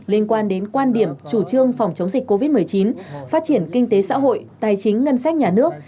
liên quan đến quan điểm chủ trương phòng chống dịch covid một mươi chín phát triển kinh tế xã hội tài chính ngân sách nhà nước